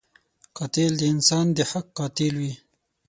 قاتل د انسان د حق قاتل وي